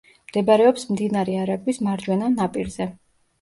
მდებარეობს მდინარე არაგვის მარჯვენა ნაპირზე.